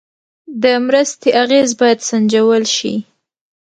د مرستې اغېز باید سنجول شي.